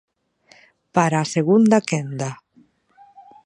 Para a segunda quenda.